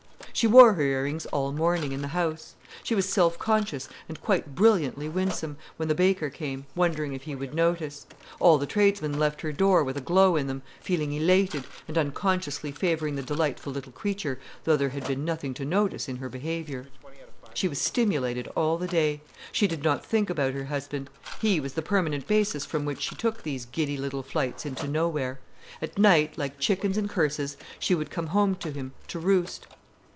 She wore her ear rings all morning, in the house. She was self conscious, and quite brilliantly winsome, when the baker came, wondering if he would notice. All the tradesmen left her door with a glow in them, feeling elated, and unconsciously favouring the delightful little creature, though there had been nothing to notice in her behaviour. She was stimulated all the day. She did not think about her husband. He was the permanent basis from which she took these giddy little flights into nowhere. At night, like chickens and curses, she would come home to him, to roost.